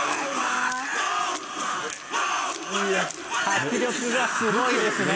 迫力がすごいですね。